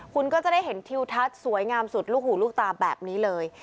คุณก็จะได้เห็นทิวทัศน์สวยงามสุดลูกหูลูกตาแบบนี้เลย